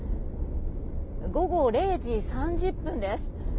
午後０時３０分です。